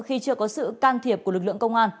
khi chưa có sự can thiệp của lực lượng công an